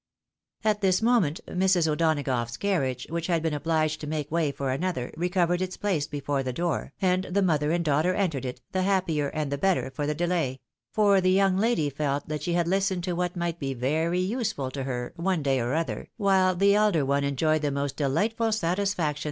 At this moment Mrs. O'Donagough's carriage, which had been obliged to make way for another, recovered its place before the door, and the mother and daughter entered it, the happier, and the better, for the delay ; for the young lady felt that she had hstened to what might be very useful to her, one day or other, while the elder one enjoyed the most delightful satisfaction 334 THE WIDOW MARKIED.